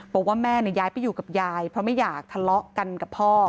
บอกว่าแม่ย้ายไปอยู่กับยายเพราะไม่อยากทะเลาะกันกับพ่อ